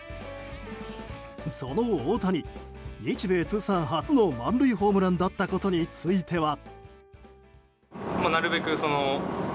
その大谷、日米通算初の満塁ホームランだったことについては。